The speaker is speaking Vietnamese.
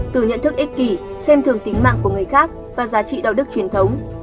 từ nhận thức ích kỷ xem thường tính mạng của người khác và giá trị đạo đức truyền thống